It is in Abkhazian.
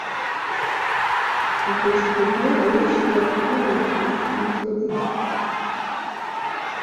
Ахәыҷқәагьы лышьклаԥалауа ашә инхыҵит.